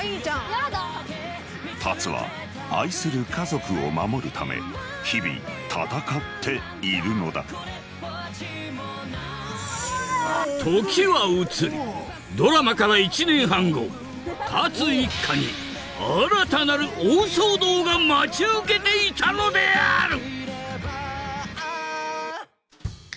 龍は愛する家族を守るため日々戦っているのだ時は移りドラマから１年半後龍一家に新たなる大騒動が待ち受けていたのである！